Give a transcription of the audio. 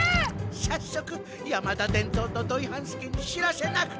さっそく山田伝蔵と土井半助に知らせなくては！